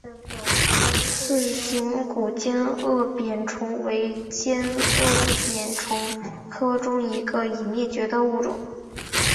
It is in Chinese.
似形古尖腭扁虫为尖腭扁虫科中一个已灭绝的物种。